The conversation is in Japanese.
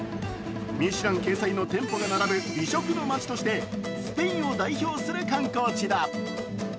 ミシュラン掲載の店舗が並ぶ美食の街としてスペインを代表する観光地だ。